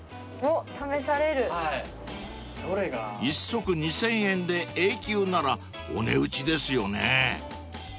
［１足２，０００円で永久ならお値打ちですよね］